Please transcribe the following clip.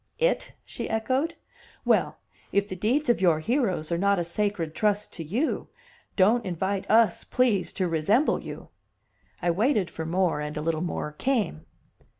"It?" she echoed. "Well, if the deeds of your heroes are not a sacred trust to you, don't invite us, please, to resemble you." I waited for more, and a little more came.